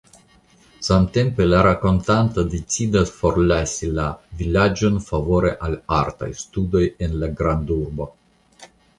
Samtempe la rakontanto decidas forlasi la vilaĝon favore al artaj studoj en la grandurbo.